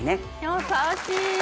優しい！